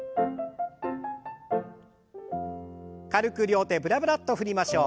軽く両手ブラブラッと振りましょう。